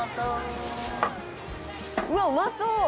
「うわっうまそう！